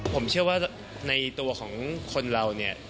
ผมเชื่อว่าในตัวของคนเราเนี่ย